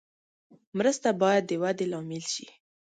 مرسته باید د ودې لامل شي.